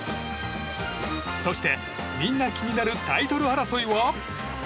そして、みんな気になるタイトル争いは。